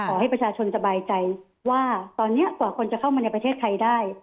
ขอให้ประชาชนสบายใจว่าตอนนี้กว่าคนจะเข้ามาในประเทศไทยได้